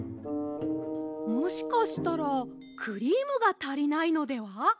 もしかしたらクリームがたりないのでは？